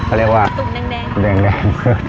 เขาเรียกว่าเดียงแดง